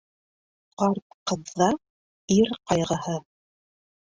Ҡарт ҡыҙҙа ир ҡайғыһы.